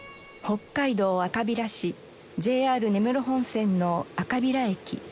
北海道赤平市ＪＲ根室本線の赤平駅。